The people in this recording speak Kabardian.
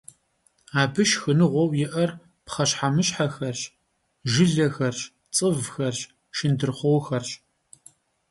Abı şşxınıgueu yi'er pxheşhemışhexerş, jjılexerş, ts'ıvxerş, şşındırxhuoxerş.